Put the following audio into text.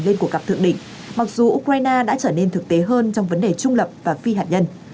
lên cuộc gặp thượng đỉnh mặc dù ukraine đã trở nên thực tế hơn trong vấn đề trung lập và phi hạt nhân